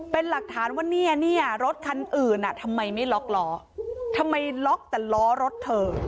เป็นหลักฐานว่าเนี่ยรถคันอื่นอ่ะทำไมไม่ล็อกล้อทำไมล็อกแต่ล้อรถเธอ